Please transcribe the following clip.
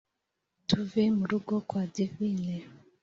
tuve murugo kwa divine,